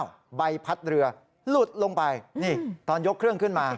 ใบพัดเรือหลุดลงไปนี่ตอนยกเครื่องขึ้นมา